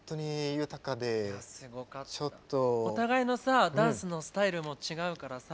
お互いのさダンスのスタイルも違うからさ